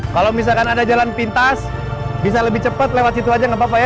kalau misalkan ada jalan pintas bisa lebih cepat lewat situ aja nggak apa apa ya